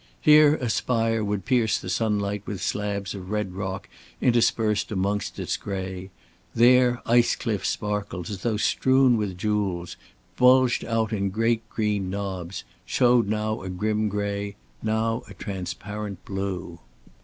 Here a spire would pierce the sunlight with slabs of red rock interspersed amongst its gray; there ice cliffs sparkled as though strewn with jewels, bulged out in great green knobs, showed now a grim gray, now a transparent blue.